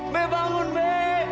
be bangun be